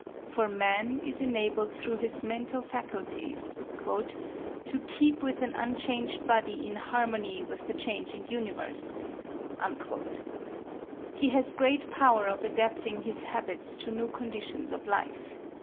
For man is enabled through his mental faculties "to keep with an unchanged body in harmony with the changing universe." He has great power of adapting his habits to new conditions of life.